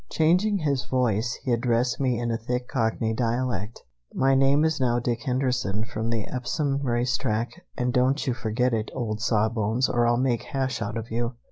Changing his voice, he addressed me in a thick Cockney dialect: "My name is now Dick Henderson, from the Epsom race track, and don't you forget it, old Sawbones, or I'll make hash out of you!"